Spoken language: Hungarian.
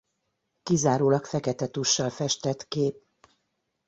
Kizárólag fekete tussal festett kép.